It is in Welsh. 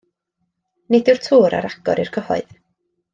Nid yw'r tŵr ar agor i'r cyhoedd.